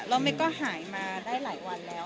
แล้วเมย์ก็หายมาได้หลายวันแล้ว